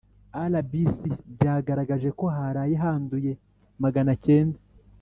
Rbc byagaragaje ko haraye handuye Maganacyenda